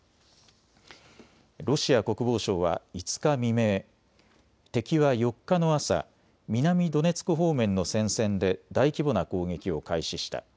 ロシア国防省は５日未明、敵は４日の朝、南ドネツク方面の戦線で大規模な攻撃を開始した。